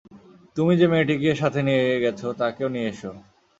তুমি যে মেয়েটিকে সাথে নিয়ে গেছ তাকেও নিয়ে এসো।